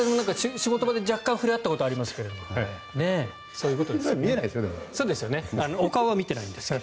仕事場で若干触れ合ったことがありますがでも見えないですよね？